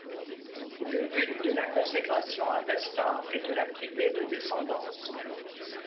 Le but de la consécration à Vesta est de la priver de descendance.